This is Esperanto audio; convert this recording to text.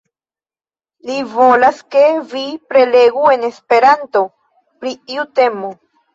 Li volas, ke vi prelegu en Esperanto pri iu temo.